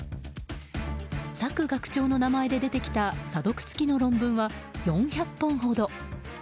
朔学長の名前で出てきた査読付きの論文は４００本ほど。